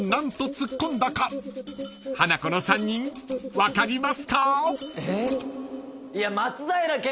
［ハナコの３人分かりますか？］